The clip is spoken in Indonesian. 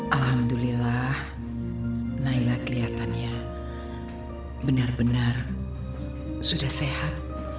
alhamdulillah nailah keliatannya benar benar sudah sehat